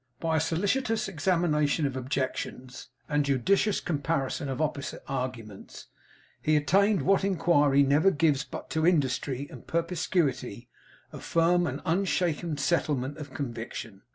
By a solicitous examination of objections, and judicious comparison of opposite arguments, he attained what enquiry never gives but to industry and perspicuity, a firm and unshaken settlement of conviction.